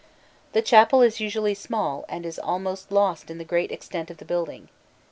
The chapel is usually small, and is almost lost in the great extent of the building.